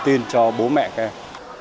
tôi tin cho bố mẹ các em